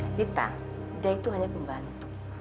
kita dia itu hanya pembantu